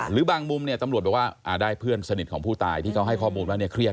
หรือบางมุมเนี่ยตำรวจบอกว่าได้เพื่อนสนิทของผู้ตายที่เขาให้ข้อมูลว่าเนี่ยเครียด